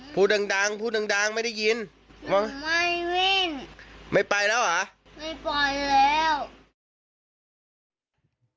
พูดดังพูดดังไม่ได้ยินไม่วิ่งไม่ไปแล้วหรอไม่ปล่อยแล้ว